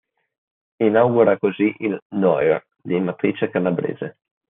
Inaugura così il "noir" di matrice calabrese.